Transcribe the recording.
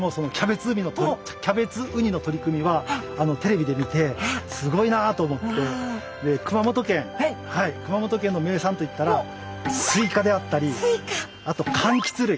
私もそのキャベツウニの取り組みはテレビで見てすごいなあと思って熊本県はい熊本県の名産といったらスイカであったりあとかんきつ類。